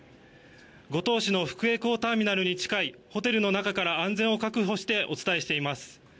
五島市の福江港ターミナルに近いホテルの中から、安全を確保してお伝えしています。